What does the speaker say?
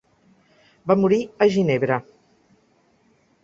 Va morir a Ginebra.